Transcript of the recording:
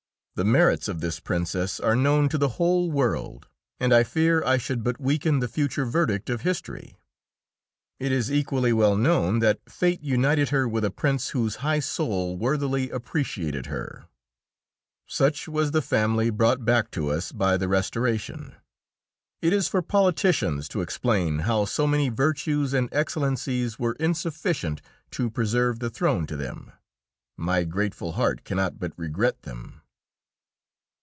The merits of this Princess are known to the whole world, and I fear I should but weaken the future verdict of history. It is equally well known that fate united her with a Prince whose high soul worthily appreciated her. Such was the family brought back to us by the Restoration. It is for politicians to explain how so many virtues and excellencies were insufficient to preserve the throne to them my grateful heart cannot but regret them.